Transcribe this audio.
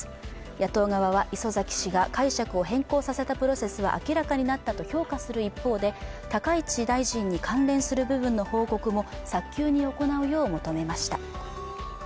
野党側は礒崎氏が解釈を変更させたプロセスは明らかになったと評価する一方で高市大臣に関連する部分の報告も早急に行うよう求めました。